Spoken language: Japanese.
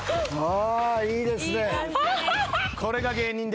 いいですね。